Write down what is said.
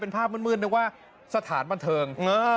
เป็นภาพมืดนึกว่าสถานบันเทิง